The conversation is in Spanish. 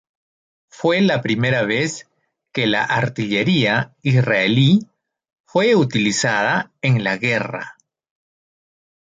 Fue la primera vez que la artillería israelí fue utilizada en la guerra.